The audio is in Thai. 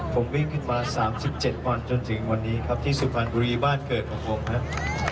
ผมวิ่งขึ้นมา๓๗วันจนถึงวันนี้ครับที่สุพรรณบุรีบ้านเกิดของผมครับ